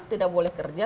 tidak boleh kerja